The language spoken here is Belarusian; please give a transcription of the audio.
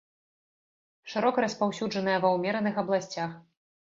Шырока распаўсюджаная ва ўмераных абласцях.